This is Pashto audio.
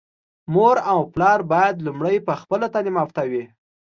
مور او پلار بايد لومړی په خپله تعليم يافته وي.